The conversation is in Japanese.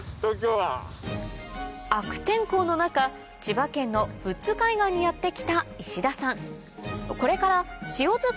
悪天候の中千葉県の富津海岸にやって来た石田さん